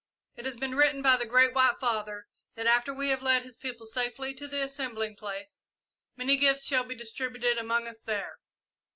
It has been written by the Great White Father that after we have led his people safely to the assembling place, many gifts shall be distributed among us there.